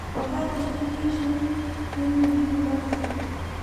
غوا د کلي ژوند یوه مهمه برخه ده.